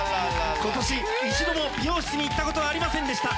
今年一度も美容室に行ったことはありませんでした。